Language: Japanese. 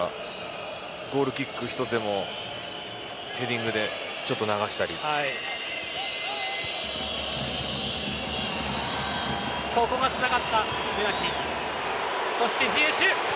ゴールキック１つでもヘディングでちょっと流したりとか。